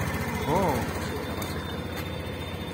— Oo! — krzyknęła dziewczynka.